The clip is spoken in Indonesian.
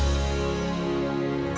irfan sekalian aja darikat juga